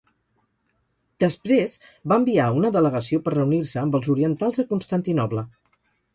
Després va enviar una delegació per reunir-se amb els orientals a Constantinoble.